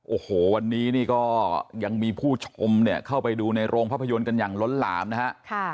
โอ้โหวันนี้นี่ก็ยังมีผู้ชมเนี่ยเข้าไปดูในโรงภาพยนตร์กันอย่างล้นหลามนะฮะ